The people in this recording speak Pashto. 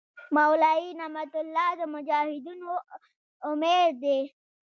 مولوي نعمت الله د مجاهدینو امیر دی.